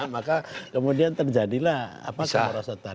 maka kemudian terjadilah kemerosotan